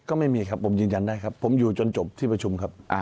ก็ไม่มีครับผมยืนยันได้ครับผมอยู่จนจบที่ประชุมครับ